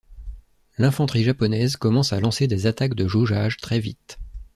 L'infanterie japonaise commence à lancer des attaques de jaugeage très vite.